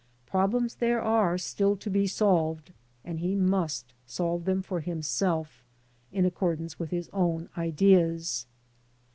Problems there are still to be solved, and he must solve them for himself in accordance with his own ideas.